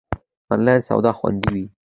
آنلاین سودا خوندی وی؟